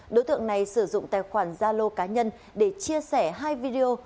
đối tượng này sử dụng tài khoản gia lô cá nhân để chia sẻ hai video